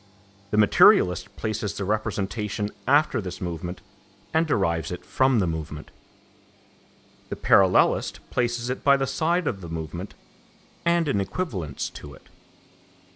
The materialist places the representation after this movement and derives it from the movement; the parallelist places it by the side of the movement and in equivalence to it.